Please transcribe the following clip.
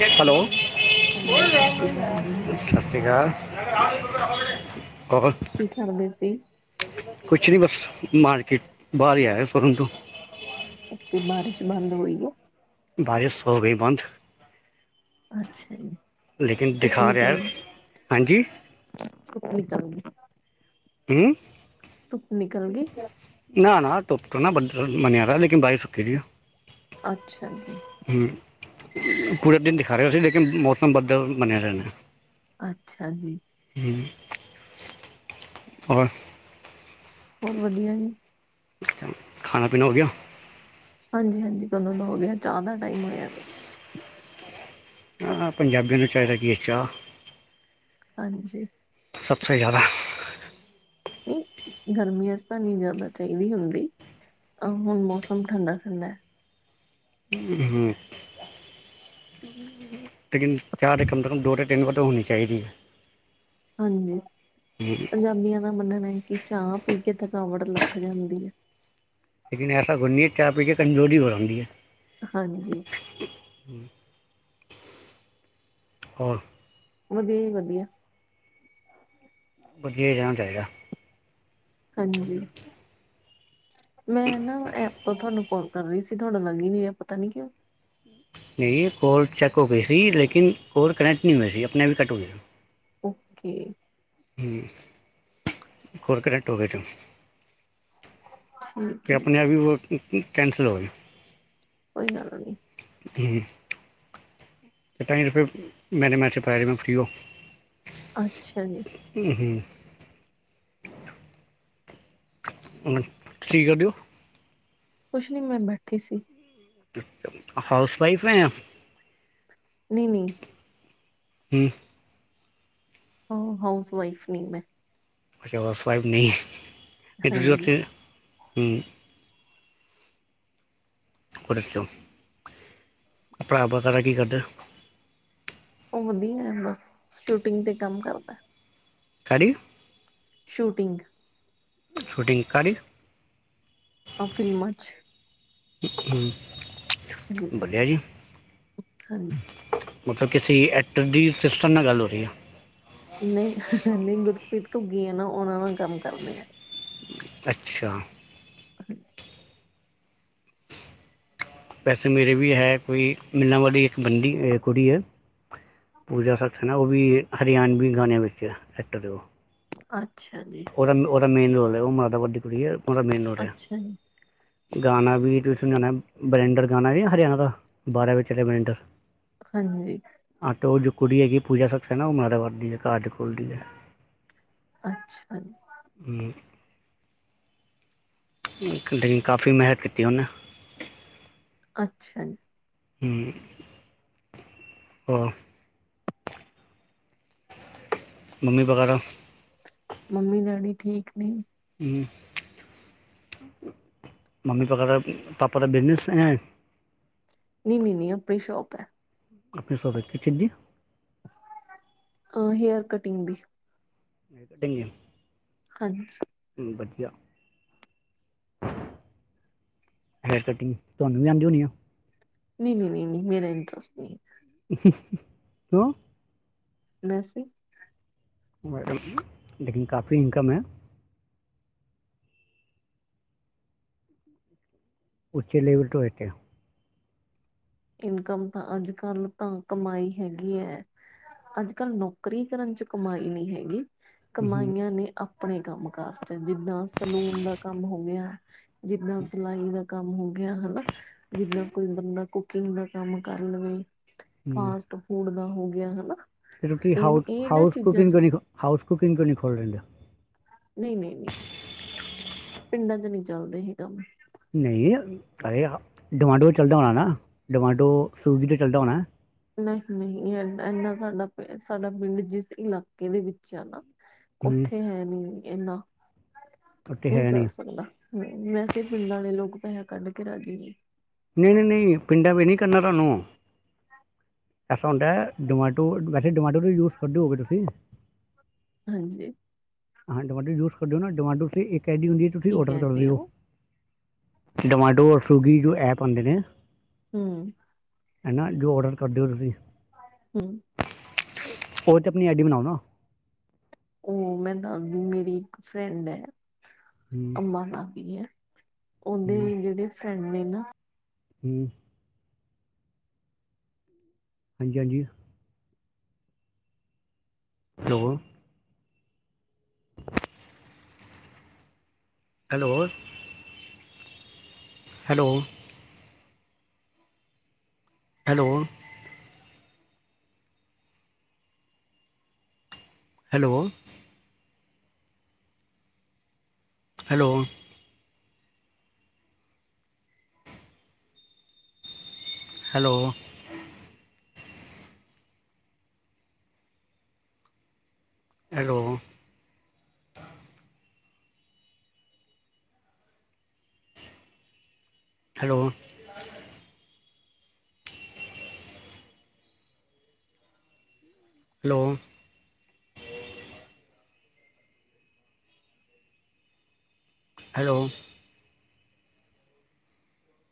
Hello ਹਾਂਜੀ ਸਤਿ ਸਤਿ ਸ੍ਰੀ ਅਕਾਲ ਜੀ, ਸ਼੍ਰੀ ਅਕਾਲ। ਕੌਣ। ਕੀ ਕਰਦੇ ਸੀ? ਕੁਛ ਨੀ ਬਸ ਮਾਰਕੀਟ ਬਾਰ ਹੀ ਆਇਆ ਸ਼ੋਰੂਮ ਤੋਂ ਓਥੇ ਬਾਰਿਸ਼ ਬੰਦ ਹੋਈ ਆ? ਬਾਰਿਸ਼ ਹੋ ਗਈ ਬੰਦ ਅੱਛਾ ਜੀ। ਲੇਕਿਨ ਧੁੱਪ ਦਿਖਾ ਰਹੇ ਨਿਕਲ ਆ ਗਈ, ਹਾਂਜੀ। [inaudible] ਕਿ। ਧੁੱਪ ਨਿਕਲ ਗਈ ਕਿਆ, ਨਾ-ਨਾ ਧੁੱਪ ਤੋਂ ਨਾ ਬੱਦਲ ਬਣਿਆ ਹੋਇਆ ਲੇਕਿਨ ਬਾਰਿਸ਼ ਰੁਕੀ ਦੀ ਐ। ਅੱਛਾ ਜੀ। ਹੂੰ, ਪੂਰੇ ਦਿਨ ਦਿਖਾ ਰਿਹਾ ਸੀ ਲੇਕਿਨ ਮੌਸਮ ਬੱਦਲ ਬਣੇ ਰਹੇ ਨੇ। ਅੱਛਾ ਜੀ। ਹੋਰ, ਹੋਰ ਵਧੀਆ ਜੀ। ਖਾਣਾ ਪੀਣਾ ਹੋ ਗਿਆ। ਹਾਂਜੀ-ਹਾਂਜੀ, ਕਦੋਂ ਦਾ ਹੋ ਗਿਆ ਚਾਹ ਦਾ ਟਾਈਮ ਹੋਇਆ ਗਿਆ। ਪੰਜਾਬੀਆਂ ਨੂੰ ਚਾਹੀਦਾ ਕਿ ਚਾਹ, ਹਾਂਜੀ। ਸਬ ਸੇ ਜ਼ਿਆਦਾ, ਨਹੀਂ, ਗਰਮੀਆਂ ਚ ਤਾਂ ਨੀ ਜਾਂਦਾ ਚਾਹੀਦੀ ਹੁੰਦੀ, ਹੁਣ ਮੌਸਮ ਠੰਡਾ-ਠੰਡਾ ਹੈ। ਹੂੰ-ਹੂੰ। [inaudible] ਲੇਕਿਨ ਚਾਹ ਦੇ ਕਮ ਤੋਂ ਕਮ ਦੋ ਤੋਂ ਤਿੰਨ ਵਾਰ ਤਾਂ ਹੋਣੀ ਚਾਹੀਦੀ, ਹਾਂਜੀ, ਪੰਜਾਬੀਆਂ ਦਾ ਮੰਨਣਾ ਹੈ ਕਿ ਚਾਹ ਪੀ ਕੇ ਥਕਾਵਟ ਲੱਥ ਜਾਂਦੀ ਹੈ। ਲੇਕਿਨ ਐਸਾ ਕੁਝ ਨੀ ਐ ਚਾਹ ਪੀ ਕੇ ਕਮਜ਼ੋਰੀ ਬਹੁਤ ਆਉਂਦੀ ਹੈ। ਹਾਂਜੀ। ਹੋਰ, ਵਧੀਆ ਜੀ ਵਧੀਆ। ਵਧੀਆ ਹੀ ਰਹਿਣਾ ਚਾਹੀਦਾ। ਹਾਂਜੀ, ਮੈਂ ਨਾ ਐਪ ਤੋਂ ਤੁਹਾਨੂੰ ਕੋਲ, ਕਰ ਰਹੀ ਸੀ ਤੁਹਾਡਾ ਲੱਗ ਹੀ ਨੀ ਰਿਹਾ ਪਤਾ ਨੀ ਕਿਉਂ, ਨਹੀਂ ਕਾੱਲ ਚੈਂਕ ਹੋ ਗਈ ਸੀ ਲੇਕਿਨ ਕਾੱਲ ਕਨੈਕਟ ਨਹੀਂ ਹੋਏ ਸੀ ਆਪਣੇ ਆਪ ਹੀ ਕੱਟ ਹੋ ਗਿਆ। ਓਕੇ। ਹੂੰ, ਕਾੱਲ ਕਨੈਟ ਹੋ ਗਇਆ ਥਾ। ਠੀਕ ਤੇ ਹੈ ਆਪਣੇ ਆਪ ਹੀ ਉਹ ਕੈਂਸਲ ਹੋ ਗਿਆ। ਕੋਈ ਗੱਲ ਨੀ, ਹੂੰ। ਢਾਈ ਰੁਪਏ ਮੈਨੇ ਮੈਚ ਪਾਇਆ ਮੈ ਫ੍ਰਰੀ ਓ। ਅੱਛਾ ਜੀ। ਹੂੰ-ਹੂੰ। ਹੁਣ ਤੁਸੀਂ ਕੀ ਕਰਦੇ ਓ? ਕੁਛ ਨੀ ਮੈਂ ਬੈਠੀ ਸੀ। ਹਾਊਸ ਵਾਈਫ ਐ, ਨਈ-ਨਈ। ਹੂੰ। ਓ ਹਾਊਸ ਵਾਈਫ ਨੀ ਮੈਂ। ਅੱਛਾ ਹਾਊਸ ਵਾਈਫ ਨੀ ਫੇਰ ਤੁਸੀਂ ਹਾਂਜੀ ਉਥੇ, ਹੂੰ। ਉਹਦੇ ਚੋਂ, ਭਰਾ ਵਗੈਰਾ ਕੀ ਕਰਦੇ। ਉਹ ਵਧੀਆ ਐ ਬਸ ਸ਼ੂਟਿੰਗ ਤੇ ਕੰਮ ਕਰਦਾ। ਹੈ ਡੀ। ਸ਼ੂਟਿੰਗ। ਸ਼ੂਟਿੰਗ ਕਾਹਦੀ? ਆ ਫਿਲਮਾਂ 'ਚ‌। ਹੂੰ, ਗੁ- ਵਧੀਆ ਜੀ। ਹਾਂਜੀ ਮਤਲਬ ਕਿਸੀ ਐਕਟਰ ਦੀ ਸਿਸਟਰ ਨਾਲ ਗੱਲ ਹੋ ਰੀ ਆ। ਨਈ, ਨਈ ਗੁਰਪ੍ਰੀਤ ਘੁੱਗੀ ਆ ਨਾ ਉਹਨਾਂ ਨਾਂ ਕੰਮ ਕਰਦੇ ਆ। ਅੱਛਾ। [unintelligible] ਵੈਸੇ ਮੇਰੇ ਵੀ ਹੈ ਕੋਈ, ਮਿਨਾ ਵਾਰੀ ਇੱਕ ਬੰਦੀ ਏ ਕੁੜੀ ਏ ਪੂਜਾ ਸਖਸ ਹੈ ਨਾ ਉਹ ਵੀ ਹਰਿਆਣਵੀ ਗਾਣਿਆਂ ਵਿੱਚ ਐਕਟਰ ਏ ਉਹ। ਅੱਛਾ ਜੀ। ਉਹਦਾ, ਉਹਦਾ ਮੇਨ ਰੋਲ ਏ ਉਹ ਮਾਤਾ ਵੱਰ ਦੀ ਕੁੜੀ ਏ ਉਹਦਾ ਮੇਨ ਰੋਲ ਏ। ਅੱਛਾ ਜੀ ਗਾਣਾ ਵੀ ਤੁਸੀਂ ਸੁਣੇ ਹੋਣਾ ਬਰਿੰਡਰ ਗਾਣਾ ਨੀ ਹਰਿਆਣਾ ਦਾ ਬਾਰਾਂ ਵਜੇ ਚੱਲਿਆ ਬਰਿੰਡਰ। ਹਾਂਜੀ। ਆਟੋ ਉਹ ਜੋ ਕੁੜੀ ਹੈਗੀ ਪੂਜਾ ਸ਼ਖਸੇਨਾ ਉਹ ਮਾਂਦਾ ਵਰਦੀ ਏ ਘਰ ਦੇ ਕੋਲ ਦੀ ਏ। ਅੱਛਾ ਜੀ। ਹੂੰ, ਇਕ ਲਈ ਕਾਫੀ ਮੇਹਤ ਕੀਤੀ ਉਹਨੇ। ਅੱਛਾ ਜੀ। ਹੂੰ, ਹੋਰ‌ ਮੰਮੀ ਬਗੈਰਾ। ਮੰਮੀ-ਡੈਡੀ ਠੀਕ ਨੇ। ਹੂੰ, ਮੰਮੀ ਬਗੈਰਾ ਪਾਪਾ ਦਾ ਬਿਜਨੇਸ ਹੈ। ਨਈ-ਨਈ ਆਪਰੀ ਸ਼ੋਪ ਐ। ਆਪਣੀ ਸੋਪ ਐ ਕਿਸ ਚੀਜ ਦੀ? ਅ ਹੇਅਰ ਕਟਿੰਗ ਦੀ। ਕਟਿੰਗ ਹਾਂਜੀ। ਚਲੋ ਵਧੀਆ। ਹੇਅਰ ਕਟਿੰਗ ਤੁਹਾਨੂੰ ਵੀ ਆਂਦੀ ਹੋਣੀ ਆ? ਨਈ ਨਈ ਨਈ ਨਈ ਮੇਰਾ ਇੰਨਟਰਸਟ ਨੀ। ਕਿਉਂ? ਵੈਸੇ ਈ। ਮੈਡਮ ਜੀ, ਲੇਕਿਨ ਕਾਫੀ ਇਨਕਮ ਐ। [inaudible] ਉੱਚੇ ਲੇਵਲ ਤੋਂ ਹੈਗਾ। ਇਨਕਮ ਤਾਂ ਅੱਜ-ਕੱਲ ਤਾਂ ਕਮਾਈ ਹੈਗੀ ਐ। ਅੱਜਕੱਲ੍ਹ ਨੌਕਰੀ ਕਰਨ 'ਚ ਕਮਾਈ ਨੀ ਹੈਗੀ। ਕਮਾਈਆਂ ਨੇ ਆਪਣੇ ਕੰਮ ਕਾਰ 'ਚ ਜਿੱਦਾਂ ਸਲੂਨ ਦਾ ਕੰਮ ਹੋ ਗਿਆ ਜਿੱਦਾਂ ਸਿਲਾਈ ਦਾ ਕੰਮ ਹੋ ਗਿਆ ਹਨਾ ਜਿੱਦਾਂ ਕੋਈ ਬੰਦਾ ਕੁਕਿੰਗ ਦਾ ਕੰਮ ਕਰ ਲਵੇ, ਫਾਸਟ ਫੂਡ ਦਾ ਹੋ ਗਿਆ ਹਨਾ। ਤੇ ਤੁਸੀਂ ਇਹ ਹਾਊਸ, ਇਹ ਇਹਨਾਂ ਹਾਊਸ ਚੀਜ਼ਾਂ ਕੁੂਕਿੰਗ ਚ ਕਰਨੀ ਹਾਊਸ ਕੁਕਿੰਗ ਕਰਨ ਖੋਲ੍ਹ ਲੈਂਦੇ। ਨਹੀਂ ਨਹੀਂ ਨਹੀਂ, ਪਿੰਡਾਂ 'ਚ ਨੀ ਚੱਲਦੇ ਇਹੇ ਕੰਮ। ਨਹੀਂ, ਡੋਮਾਟੋ ਚੱਲਦਾ ਹੋਣਾ ਨਾ, ਡੋਮਾਟੋ ਸਵਿਗੀ ਤੋਂ ਚੱਲਦਾ ਹੋਣਾ। ਨਹੀਂ-ਨਹੀਂ ਇਨਾ ਸਾਡਾ ਪ ਸਾਡਾ ਪਿੰਡ ਜਿਸ ਇਲਾਕੇ ਦੇ ਵਿੱਚ ਆ ਨਾ ਹੂੰ ਉੱਥੇ ਹੈ ਨੀ ਇਨਾ, ਉੱਤੇ ਹੈ ਨਹੀਂ ਕਰ ਸਕਦਾ। ਹੂੰ ਵੈਸੇ ਪਿੰਡਾ ਆਲੇ ਲੋਕ ਪੈਹਾ ਕੱਢ ਕੇ ਰਾਜੀ ਨੀ। ਨਈ ਨਈ ਨਈ ਪਿੰਡਾਂ ਵੀ ਨਈ ਕਰਨਾ ਤੁਆਨੂੰ। ਐਸਾ ਹੁੰਦੈ ਡੋਮਾਟੋ ਵੈਸੇ ਡੋਮਾਟੋ ਤੇ ਯੂਜ਼ ਕਰਦੇ ਹੋਗੇ ਤੁਸੀਂ। ਹਾਂਜੀ। ਹਾਂ ਡਮਾਟੋ ਯੂਸ ਕਰਦੇ ਓ ਨਾ ਡਮਾਟੋਂ ਇੱਕ ਐਡੀ ਹੁੰਦੀ ਏ, ਤੁਸੀਂ ਕੀ ਔਡਰ ਕਹਿ ਕਰ ਰਹੇ ਦੇਓ। ਹੋ ਡੋਮੈਡੋ ਔਰ ਸੂਗੀ ਜੋ ਐਪ ਹੂੰਦੇ ਨੇ। ਹੂੰ। ਹਨ ਨ ਜੋ ਔਡਰ ਕਰਦੇਓ ਤੁਸੀਂ। ਹੂੰ ਉ ਤੇ ਆਪਨੀ ਆਈਡੀ ਬਨਾਓ ਨਾ। ਉ ਮੈਂ ਦਦੀ ਮੇਰੀ ਇੱਕ ਫਰੈਂਡ ਏ ਹੂੰ ਅਮਾ ਦਾਦੀ ਏ। ਉਦੇ ਹੂੰ ਜੇੜੇ ਫਰੈਂਡ ਨੇ ਨਾ। ਹੂੰ। ਹਾਂਜੀ-ਹਾਂਜੀ। Hello. Hello. Hello. Hello. Hello. Hello. Hello. Hello. Hello. Hello. Hello.